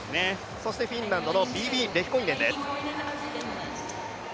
そしてフィンランドのビービ・レヒコイネンです。